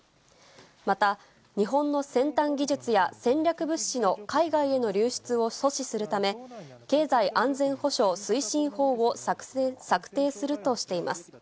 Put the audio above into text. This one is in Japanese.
また、日本の先端技術や、戦略物資の海外への流出を阻止するため、経済安全保障推進法を策定するとしています。